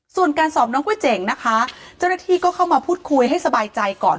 ส่วนการสอบน้องก๋วยเจ๋งนะคะเจ้าหน้าที่ก็เข้ามาพูดคุยให้สบายใจก่อน